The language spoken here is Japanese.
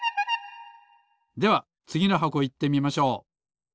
ではつぎのはこいってみましょう。